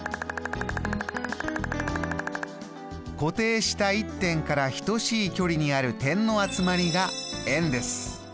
固定した１点から等しい距離にある点の集まりが円です。